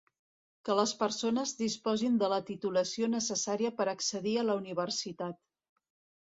Que les persones disposin de la titulació necessària per accedir a la universitat.